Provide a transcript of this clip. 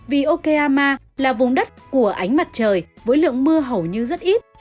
vì okiama là vùng đất của ánh mặt trời với lượng mưa hầu như rất ít